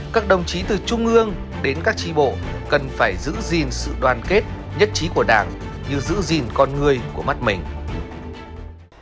các đồng chí từ trung ương đến các tri bộ cần phải giữ gìn sự đoàn kết nhất trí của đảng như giữ gìn con người của mắt mình